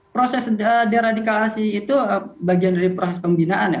proses deradikalisasi itu bagian dari proses pembinaan ya